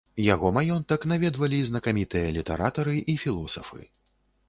Яго маёнтак наведвалі знакамітыя літаратары і філосафы.